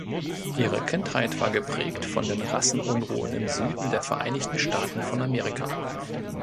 Ihre Kindheit war geprägt von den Rassenunruhen im Süden der Vereinigten Staaten von Amerika.